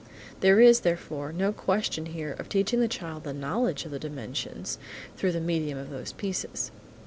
There is, therefore, no question here of teaching the child the knowledge of the dimensions, through the medium of these pieces.